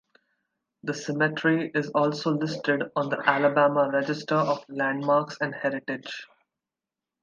The cemetery is also listed on the Alabama Register of Landmarks and Heritage.